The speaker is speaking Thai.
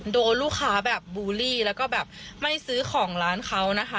โดนลูกค้าแบบบูลลี่แล้วก็แบบไม่ซื้อของร้านเขานะคะ